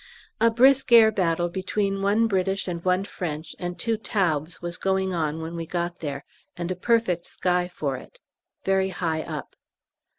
A brisk air battle between one British and one French and two Taubes was going on when we got there, and a perfect sky for it. Very high up.